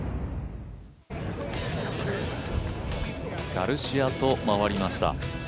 ガルシアと回りました。